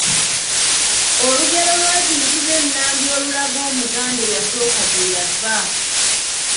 Olugero lwa Kintu ne Nnambi olulaga Omuganda eyasooka gye yava.